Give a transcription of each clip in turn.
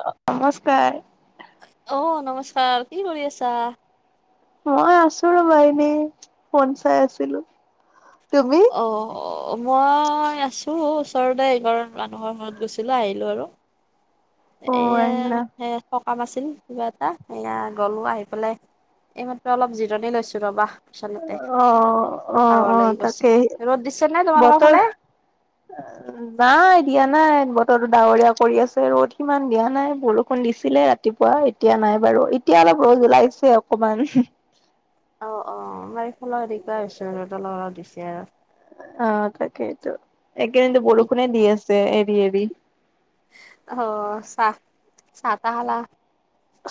অ নমস্কাৰ। অ নমস্কাৰ, কি কৰি আছা? মই আছো ৰবা এনেই ফোন চাই আছিলোঁ, তুমি? অঁ! মই আছোঁ ওচৰতে এইগ মানুহৰ ঘৰত গৈছিলোঁ আহিলোঁ আৰু অ এয়া আহিলা। হে সকাম আছিল কিবা এটা সয়া গ'লোঁ আহি পেলাই এইমাত্ৰ অলপ জিৰণি লৈছোঁ ৰ'বা। বিচনাতে অ অ ভাগৰ অ লাগি গৈছে তাকেই। ৰ'দ দিছে নে তোমালোকৰ বতৰ ফালে এ অ নাই দিয়া নাই বতৰতো ডাৱৰীয়া কৰি আছে, ৰ'দ সিমান দিয়া নাই বৰষুণ দিছিলে ৰাতি ৰাতিপুৱা এতিয়া নাই বাৰু এতিয়া অলপ ৰ'দ ওলাইছে অকমান। অ অ আমাৰ এইফালৰ দেখবা পাইছোঁ ৰ'দ অলপ দিছে। অঁ তাকেইটো। এই কেইদিনতো বৰষুণে দি আছে এৰি এৰি। অঁ! চাহ-চাহ-তাহ খালা?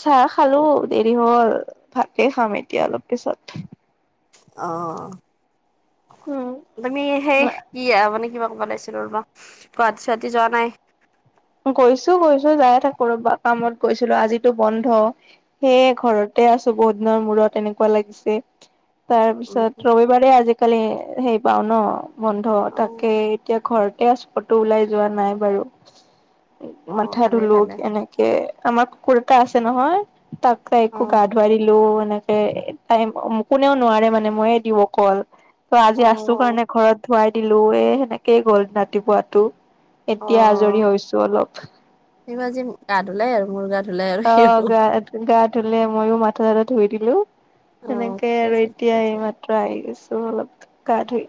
চাহ খালোঁ দেৰি হ'ল ভাতে খাম এতিয়া অলপ পিছত। অ, উম তুমি সেই কি আহ মানে কিবা ক'ব ওলাইছিলোঁ ৰবা গুৱাহাটী-চুৱাহাটী যোৱা নাই। গৈছোঁ গৈছোঁ যাই থাকো ৰবা কামত গৈছিলোঁ আজিতো বন্ধ। সেয়ে ঘৰতে আছোঁ বহুত দিনৰ মূৰত এনেকুৱা লাগিছে। তাৰ উম, পিছত ৰবিবাৰে আজিকালি সেই পাও ন বন্ধ। অ তাকেই এতিয়া ঘৰতে আছোঁ ক'তো ওলাই যোৱা নাই বাৰু। অ মাথা ভালে ধোলো ভালে তেনেকে। আমাৰ কুকুৰ এটা আছে নহয় তাকো একো অ', গা ধুৱাই দিলোঁ এনেকে এই টাইম উম কোনেও নোৱাৰে মানে মইয়ে দিও অকল। ত আজি আছো অ', কাৰণে ঘৰত ধুৱাই দিলো এই সেনেকেই গ'ল ৰাতিপুৱটো। অ, সিওঁ আজি গা ধুলে মোৰ গাত অ গা গা ধুলে। ময়ো মাথা চাঠা ধুই দিলো। অ', সেনেকে ঠিকে আৰু আছে ঠিকে এতিয়া আছে এইমাত্ৰ আহি গৈছোঁ অলপ গা ধুই।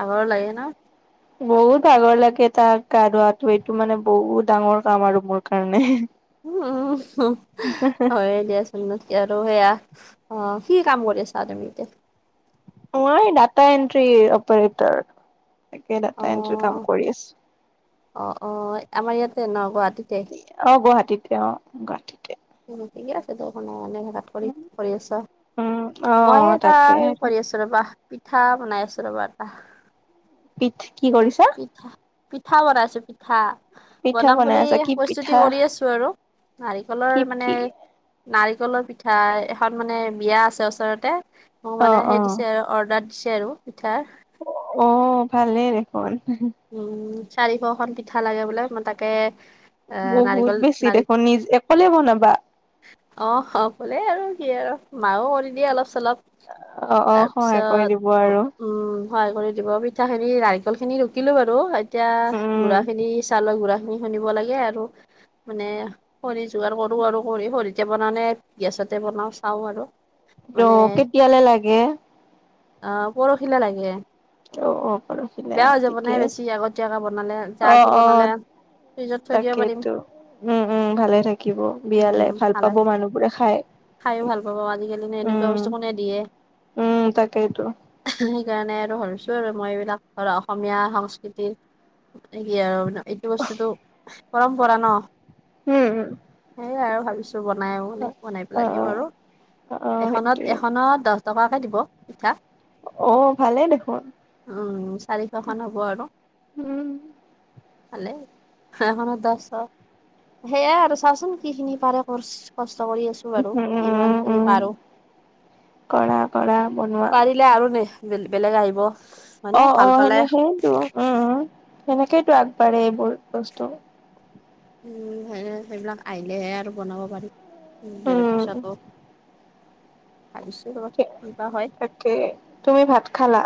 ভাগৰো লাগে ন? বহুত ভাগৰ লাগে তাক গা ধোৱাটো, এইটো মানে বহুত ডাঙৰ কাম আৰু মোৰ কাৰণে। উ হুম হয় দিয়া চোন। উন্নতি আৰু সেয়া। অ কি কাম কৰি আছা তুমি এতিয়া? মই ডাটা এন্ট্ৰি অপাৰেটৰ। তাকে ডাটা এণ্ট্ৰি কাম অ', কৰি আছোঁ। অ অ আমাৰ ইয়াতে না গুৱাহাটীতে? অ গুৱাহাটীতে অ গুৱাহাটীতে। ঠিকে আছে তো এনোত কৰি কৰি আছা, উম অ মই এটা তাকে সেই কৰি আছোঁ। ৰবা পিঠা বনাই আছো ৰ'বা এটা। পিঠ কি কৰিছা? পিঠা পিঠা বনাইছো পিঠ।, পিঠা বনাম বনাই বুলি আছা কি প্ৰস্তুতি পিঠা কৰি আছো আৰু। নাৰিকলৰ কি মানে কি নাৰিকলৰ পিঠা এখন মানে বিয়া আছে ওচৰতে। মোক অ মানে অ সেই দিছে আৰু অৰ্ডাৰ দিছে আৰু পিঠা। অ ভালেই দেখোন। উম চাৰিশখন পিঠা লাগে বোলে। মই তাকে এ বহুত নাৰিকল বেছি দেখোন নিজ অকলে বনাবা? অ অ কলে আৰু কি আৰু মাও কৰি দিয়ে অলপ চলপ। অ অ তাৰ সহায় কৰি দিব পিছত আৰু উম হয় কৰি দিব, পিঠাখিনি নাৰিকল খিনি ৰুকিলো বাৰু এতিয়া উম গুৰা খিনি চাউলৰ গুৰা খিনি খুন্দিব লাগে আৰু মানে খৰি যোগাৰ কৰোঁ আৰু খৰি খৰিতে বনাও নে, গেছতে বনাওঁ চাওঁ আৰু। অ মানে কেতিয়ালে লাগে? অ পৰহিলে লাগে। অ অ পৰহিলে ঠিক মানে বেছি আগতীয়াকে বনালে যা যি অ বনালে, ফ্ৰিজত থৈ দিব পাৰিম। তাকেইতো উম উম ভালে থাকিব বিয়ালে ভাল পাব মানুহবোৰে খাই। খাইয়ো ভাল পাব আজিকালি নো এনেকুৱা উম বস্তু কোনে দিয়ে উম তাকেইটো। সেইকাৰণে আৰু ভাৱিছো আৰু মই এইবিলাক ধৰ অসমীয়া সংস্কৃতি এই কি আৰু এইটো বস্তুটো পৰম্পৰা ন উম উম সেইয়াই আৰু ভাবিছো বনাই মানে বনাই অ পেলাই অ দিওঁ আৰু অ অ এখনত সেইটোৱে এখনত দহ টকাকে দিব পিঠা। অ ভালেই দেখোন। উম চাৰিশখন হ'ব আৰু উম ভালেই এখনত দহশ সেইয়াই আৰু চাচোন কিখিনি পাৰে ক কষ্ট কৰি আছো। উম বাৰু উ কিমান উম খিনি উম পাৰো কৰা কৰা বনোৱা। দেখিলে আৰু নে বেলেগ আহিব, অ মানে অ ভাল পালে। সেনে সেইটো উম সেনেকেইতো আগবাঢ়ে এইবোৰ বস্তু। উম, সে সেইবিলাক আহিলেহে আৰু বনাব পাৰি ধেৰ উম পইছা পাওঁ ভাবিছো ৰবা কি বা হয় তাকে, তুমি ভাত খালা?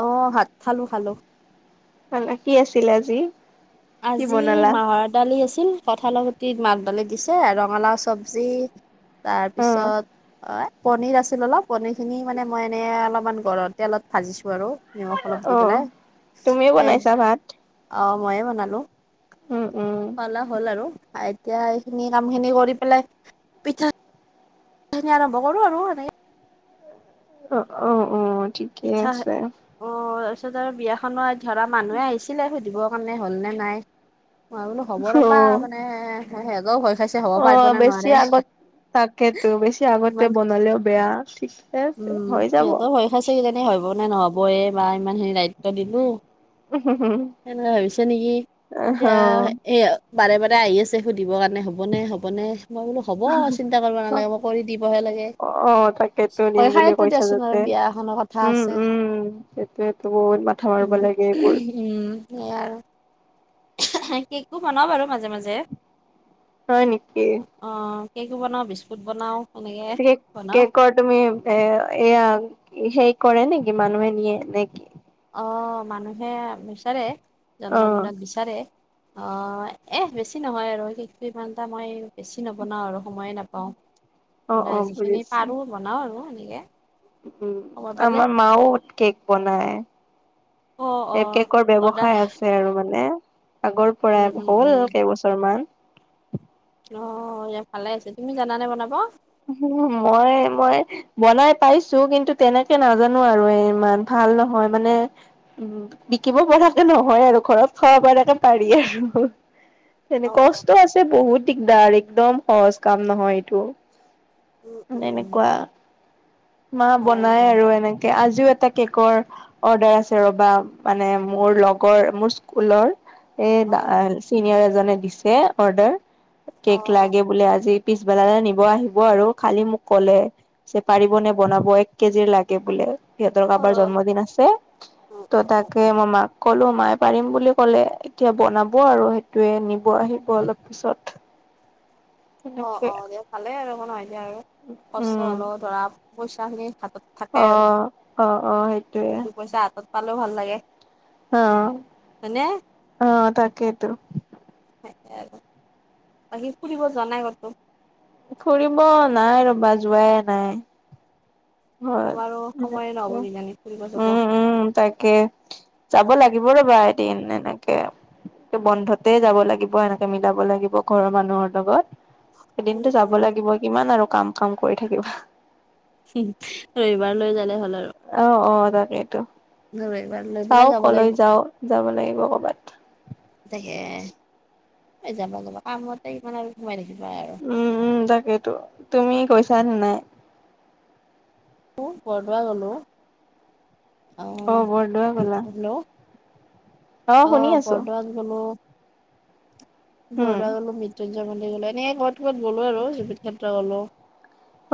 অ ভাত খালো খালো। খালা কি আছিলে আজি? কি আজি বনালা মাত দালি আছিল, কঁঠালৰ গুতিত মাতদালি দিছে, ৰঙালাও চব্জি অ তাৰপিছত এ পনীৰ আছিল অলপ পনীৰখিনি মানে মই এনেই অলপমান ঘৰত তেলত ভাজিছোঁ আৰু। নিমখ অলপ দি অ পেলাই তুমিও সে বনাইছা ভাত? অ ময়ে বনালো, উম উম খানা হ'ল আৰু এতিয়া এইখিনি কাম খিনি কৰি পেলাই পিঠা সেইখিনি আৰম্ভ কৰোঁ আৰু এনে অ অ অ ঠিক। পিঠা। অ তাৰপিছত আৰু বিয়াখনৰ ধৰা মানুহে আহিছিলে সুধিবৰ কাৰণে হ'ল নে নাই। মই বোলোঁ হব অ ৰ'বা মানে খাইছে হ'ব অ পাৰিব নে বেছি নোৱাৰে আগত, তাকেতো বেছি আগতে ইমান বনালেও বেয়া। ঠিক উম সিহঁতৰ ভয় খাইছে কিজানি হ'ব নে নহবয়ে বা ইমান খিনি দায়িত্ব দিলোঁ। সেনে ভাবিছে নেকি এতিয়া এই বাৰে, বাৰে আহি আছে সুধিবৰ কাৰণে হ'ব হ'বনে, হ'বনে মই বোলোঁ হ'ব চিন্তা কৰিব নালাগে, মই কৰি দিবহে লাগে। অ', তাকে। দিম ভয় বুলি খাইতো কৈছা, দিয়াচোন আৰু যাতে বিয়া এখনৰ কথা উম, আছে উম, সেইটোয়েতো বহুত মাথা মাৰিব উম লাগে এইবোৰ। উম, সেইয়া আৰু। কেকটো বনাওঁ বাৰু মাজে, মাজে। হয়, নিকি? অ', কেকো বনাওঁ, বিস্কুট বনাওঁ। [unintelligible] কেকট তুমি এ এয়া হেৰি কৰে নেকি মানুহে নিয়ে নেকি? অ', মানুহে বিচাৰে, অ', জন্মদিনত বিচাৰে। অ', এ বেছি নহয় আৰু [unintelligible] ঘণ্টা মই বেছি নবনাওঁ আৰু সময়ে নে পাওঁ অ', মানে অ', যিখিনি বুজিছো পাৰোঁ বনাওঁ আৰু এনেকে। উম, সময় পালে। আমাৰ মাও কেক বনায়। অ', এই অ', কেকৰ অৰ্ডাৰ ব্যৱসায় আছে আৰু মানে। আগৰ উম, পৰা উম, হ'ল উম, কেইবছৰ মান। অ', ইয়া ভালে আছে, তুমি জানানে বনাব? মই, মই বনাই পাইছোঁ, কিন্তু তেনেকে নাজানোঁ আৰু ইমান ভাল নহয় মানে। উম, বিকিব পৰাকে নহয় আৰু ঘৰত খাব পৰাকে পাৰি আৰু। অ'। এনে কষ্ট আছে বহুত দিগদাৰ, একদম সহজ কাম নহয় এইটো। উম, মানে উম, এনেকুৱা মা হয় বনাই দিয়া। আৰু এনেকে আজিও এটা কেকৰ অৰ্ডাৰ আছে, ৰ'বা মানে মোৰ লগৰ মোৰ স্কুলৰ। এ অ', দা চিনিয়ৰ এজনে দিছে অৰ্ডাৰ কেক অ', লাগে বোলে আজি। পিছবেলালে নিব আহিব আৰু খালি মোক ক'লে যে, পাৰিব নে? বনাব এক কেজিৰ লাগে বোলে সিহঁতৰ কাবাৰ অ', জন্মদিন আছে। উম, উম ত' তাকে, মই মাক কলোঁ মাই পাৰিম বুলি ক'লে। এতিয়া বনাব আৰু সেইটোয়ে নিব আহিব অলপ পিছত। অ', সেনেকে অ', দিয়া ভালেই আৰু একো নহয় দিয়া আৰু কষ্ট উম হ'লেও ধৰা পইচাখিনি হাতত অ থাকে আৰু অ অ সেইটোয়ে সেই দু পইচা হাতত পালেও ভাল লাগে। অ', হয়নে? অ', তাকেতো। তাকেই আৰু বাকী ফুৰিব যোৱা নাই ক'তো? ফুৰিব নাই ৰ'বা যোৱাই নাই। হয়, তোমাৰো সময়ে নহ'ব [unintelligible] কিজানি ফুৰিব যাব। উম, উম, তাকে। যাব লাগিব ৰ'বা এদিন এনেকে। বন্ধতে যাব লাগিব এনেকে মিলাব লাগিব ঘৰৰ মানুহৰ লগত। উম, এদিনটো যাব উম, লাগিব কিমান আৰু কাম, কাম কৰি থাকিবা। ৰবিবাৰ লৈ যালে ভাল আৰু। অ', অ', তাকেতো ৰবিবাৰ লৈ পেলাই চাওঁ যাব ক'লৈ লাগিব। যাওঁ যাব লাগিব কৰ'বাত। তাকে, যাবা যাবা কামতে ইমান আৰু সোমাই থাকিবা আৰু। উম, উম, তাকেতো তুমি গৈছানে নাই? [unintelligible] বৰদোৱা গ'লোঁ। অ', বৰদোৱা গ'লা। হেল্ল' শুনি অ', আছো বৰদোৱাত গ'লো, উম। বৰদোৱা গ'লো মৃত্যু [unintelligible] গ'লো এনে ক'বাত ক'বাত গ'লো আৰু জুবিন ক্ষেত্ৰ গ'লো।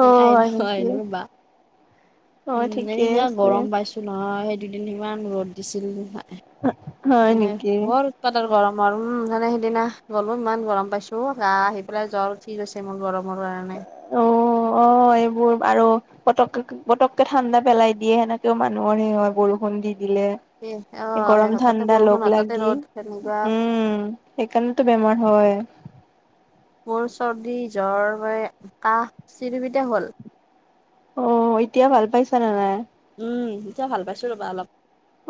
অ হয় আইলো নেকি আইলো ৰ'বা অ উম, ঠিকেই এনেকা আছে গৰম পাইছো। নহয় সেই দুদিন ইমান ৰ'দ দিছিল, হয় মানে নেকি। বৰ [unintelligible] গৰম আৰু উম, মানে সিদিনা গ'লো ইমান গৰম পাইছো গা আহি পেলাই জ্বৰ উঠিগৈছে মোৰ গৰমৰ কাৰণে। অ', অ', এইবোৰ আৰু পটককে পটককে ঠাণ্ডা পেলাই দিয়ে সেনেকেও মানুহৰ সেই হয়, বৰষুণ দি দিলে। এ অ' সেই গৰম হঠাতে ঠাণ্ডা লগ বৰষুণ হঠাতে লাগি ৰ'দ তেনেকুৱা উম। সেইকাৰণেতো বেমাৰ হয়। মোৰ চৰ্দি জ্বৰ হৈ কাহ চিৰিবিতে হ'ল। অ', এতিয়া ভাল পাইছা নে নাই? উম, এতিয়া ভাল পাইছোঁ ৰ'বা অলপ।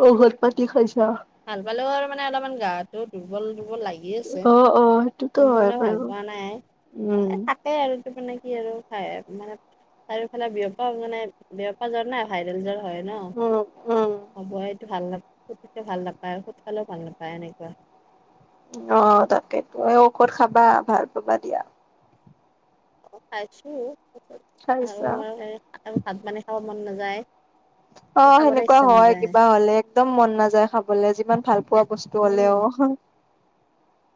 ঔষধ পাতি খাইছা? ভাল পালেও আৰু মানে অলপমান গাটো দুৰ্বল দুৰ্বল লাগি আছে। অ', অ', সেইটোতো হয় সম্পূৰ্ণ ভাল বাৰু। পোৱা নাই, উম, এ তাকে আৰু ত' মানে কি আৰু খাই মানে চাৰিওফালে বিয়পা মানে বিয় পা জ্বৰ না ভাইৰেল জ্বৰ হয় উম, উম। ন' হ'ব এইটো ভাল নাপ য় ভাল নাপায় ঔষধ খালেও ভাল নাপায় এনেকুৱা। অ', তাকেইতো এই ঔষধ খাবা ভাল পাবা দিয়া। খাইছোঁ। খাইছা? আৰু ভাত মানে খাব মন নাযায়। অ', খাবলৈ সেনেকুৱা ইচ্ছা হয়, নাযায় কিবা হ'লে একদম মন নাযায় খাবলে যিমান ভাল পোৱা এক বস্তু উম হ'লেও।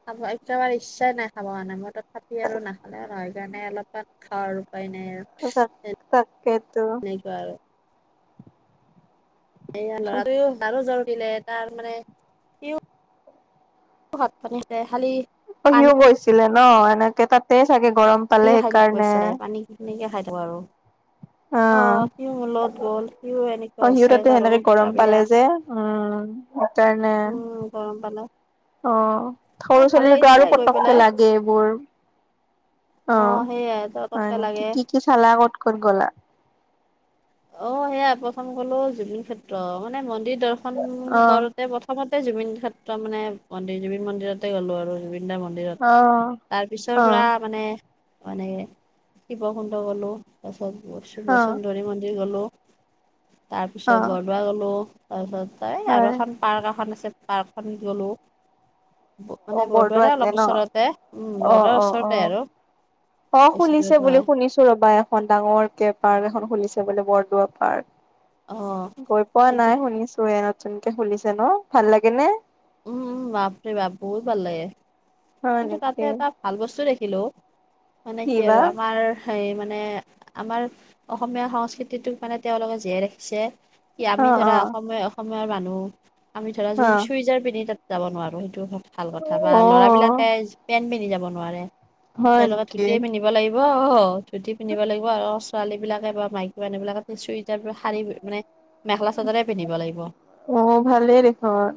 খাব একেবাৰে ইচ্ছাই নাই খাব কাৰণে, মই তথাপি আৰু নাখালে নহয় কাৰণে অলপমান খাও আৰু উপায় নাই আৰু। [unintelligible] তাকেইতো। এনেকুৱা আৰু। এইয়া ল'ৰাটোৱেও তাৰো জ্বৰ উঠিলে তাৰ মানে সিও ভাত পানী সিজাই খালি? অ', সিও পানীয়ে গৈছিলে ন' এনেকে তাতে চাগে গৰম পালে সেইকাৰণে। পিকিনিকে খাই থাকোঁ আৰু। [inaudible] আহ, সিও মোৰ লগত গ'ল সিও এনেকুৱা অ সিও হৈছে তাতে তাৰো সেনেকে গৰম গা পালে বেয়া। যে উম সেইকাৰণে উম, গৰম পালে। অ', এ সৰু ভাল ছোৱালীৰটো লাগিছে আৰু গৈ পতককে পেলাই লাগে এইবোৰ। অ', অ সেইয়াই তততে হয় লাগে নেকি কি কি চালা ক'ত ক'ত গ'লা? অ', সেয়া প্ৰথম গ'লো জুবিন ক্ষেত্ৰ মানে মন্দিৰ দৰ্শন অ কৰোতে প্ৰথম প্ৰথমতে জুবিন ক্ষেত্ৰ মানে মন্দিৰ জুবিন মন্দিৰতে গ'লো আৰু জুবিনদাৰ মন্দিৰ তমন্দিৰত অ তাৰ পিছৰ অ পৰা মানে মানে শিৱকুণ্ড গ'লো। তাৰ পিছত শিব অ চুন্দৰী মন্দিৰ গ'লো, অ তাৰপিছতৰ বৰদোৱা গ'লো তাৰপিছত ত' আৰু হয় এখন পাৰ্ক এখন আছে পাৰ্কখন গ'লো। অ মানে বৰদোৱাৰে বৰদোৱাতে অলপ ন ওচৰতে উম, অ বৰদোৱাৰ অ অ ওচৰতে আৰু। অ', বেছি দূৰত খুলিছে বুলি নহয় শুনিছো ৰ'বা এখন ডাঙৰকে পাৰ্ক এখন খুলিছে বোলে বৰদোৱা পাৰ্ক। অ গৈ পোৱা সেইটো নাই শুনিছো এ নতুনকে খুলিছে ন' ভাল লাগে নে? উম, উম, বাপৰে বাপ বহুত ভাল লাগে। হয় কিন্তু তাতে নেকি এটা ভাল বস্তু দেখিলো। মানে কি আৰু আমাৰ সেই মানে আমাৰ অসমীয়া সংস্কৃতিটোক মানে তেওঁলোকে জীয়াই ৰাখিছে। কি আমি অ ধৰা অ অসমীয়া-অসমৰ মানুহ আমি ধৰা অ চুইজাৰ পিন্ধি তাত যাব নোৱাৰো সেইটো। ভাল কথা বা অ ল'ৰা বিলাকে পেন্ট পিন্ধি যাব নোৱাৰে, হয় তেওঁলোকে নেকি ধুতিয়ে পিন্ধিব লাগিব অহ, ধুতি পিন্ধিব লাগিব, আৰু ছোৱালী বিলাকে বা মাইকী মানুহ বিলাকে চুইজাৰ, শাৰী মানে মেখেলা চাদৰে পিন্ধিব লাগিব। অ ভালেই দেখোন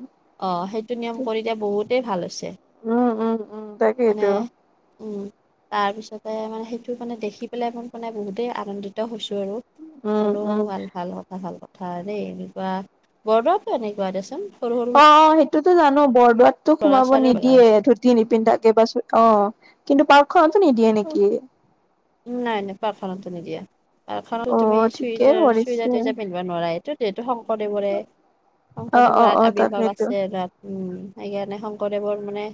অ', সেইটো নিয়ম কৰিলে বহুতেই ভাল হৈছে। উম, উম, উম তাক মানে উম, তাৰপিছতে মানে সেইটো মানে দেখি পেলাই মই মানে বহুতেই আনন্দিত হৈছো আৰু। উম হলেও উম ভাল-ভাল কথা ভাল কথা দেই এনেকুৱা। বৰদোৱাতো এনেকুৱা দেচোন সৰু-সৰু অ অ', সেইটোতো জানো বৰদোৱাতটো সোমাব ছোৱালীও লগাইছে নিদিয়ে ধুতি নিপিন্ধাকে, বা অ'। কিন্তু পাৰ্কখনতো নিদিয়ে নেকি? নাই, নাই পাৰ্কখনতো নিদিয়ে। পাৰ্কখনত অ তুমি ঠিকেই সুইদাৰ, কৰিছে চুইজাৰ-তুইজাৰ পিন্ধিব নোৱাৰা। এইটো যিহেতু শংকৰদেৱৰে, অ অ শংকৰদেৱৰ অ আৱিৰ্ভাৱ তাকেইতো আছে তাত উম। সেইকাৰণে শংকৰদেৱৰ মানে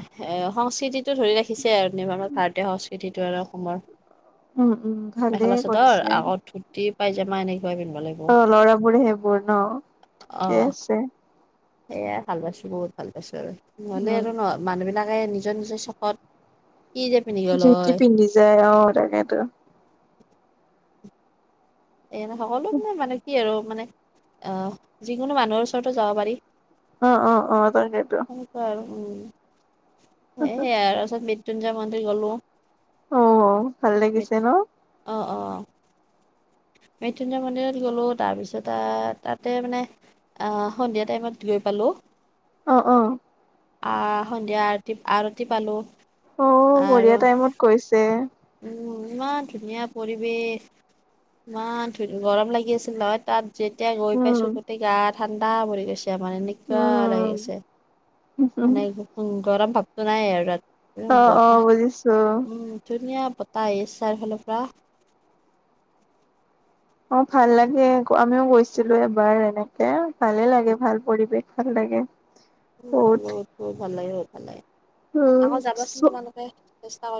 এ', সংস্কৃতিটো ধৰি ৰাখিছে আৰু আমাৰ ভাৰতীয় সংস্কৃতিটো আৰু অসমৰ। উম উম ভালেই মেখেলা-চাদৰ কৰিছে আকৌ ধূ্তি, পাইযামা এনেকুৱায়ে পিন্ধব লাগিব। অ', ল'ৰাবোৰে সেইবোৰ ন', অ ঠিকে আছে। সেয়াই ভাল পাইছোঁ, বহুত ভাল পাইছোঁ আৰু। নহ'লে উম আৰু ন'হ মানুহবিলাকে নিজৰ-নিজৰ চকত যি তি পিন্ধি যায় অ', তাকেটো। এনেই সকলো মানে-মানে কি আৰু মানে, আহ যিকোনো মানুহৰ ওচৰতো যাব পাৰি। অ', অ', অ', তাকেটো। সেইটোৱে আৰু। [unintelligible] সেইয়াই আৰু [unintelligible] মৃত্যুঞ্জয় মন্দিৰ গ'লো। অ', ভাল লাগিছে মৃত- ন। অ', অ'। মৃত্যুঞ্জয় মন্দিৰত গ'লো, তাৰপিছত তাতে মানে আহ, সন্ধিয়া টাইমত গৈ পালোঁ। অ', অ'। আহ, সন্ধিয়া আৰতি-আৰতি পালো। অ', বঢ়িয়া আৰু টাইমত গৈছে। উম, ইমান ধুনীয়া পৰিৱেশ। ইমান, গৰম লাগি আছিল নহয় তাত। যেতিয়া গৈ উম পাইছো গোটেই গা ঠাণ্ডা পৰি গৈছে আমাৰ এনেই [unintelligible] লাগি উম গৈছে, মানে গৰম ভাৱটো নাই আৰু তাত। একদম অ', বতাহ অ', বুজিছোঁ। উম ধুনীয়া বতাহ [unintelligible] ফালৰ পৰা। অ', ভাল লাগে। আমিও গৈছিলো এবাৰ এনেকে, ভালে লাগে, ভাল পৰিৱেশ। ভাল লাগে। উম, বহুত বহুত ভাল লাগে, বহুত ভাল লাগে। আকৌ যাবাচোন উ তোমালোকে চেষ্টা [unintelligible]